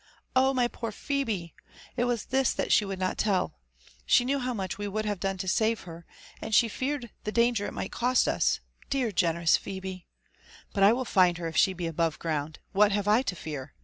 — Oh, my poor Phebe! it was this that she wpuld not tell !— She knew how much we would have done to save her, and she feared the danger it might cost us ^ear, generous Phebe I— But I will find her if she be above ground ; ^wbat have I to fear?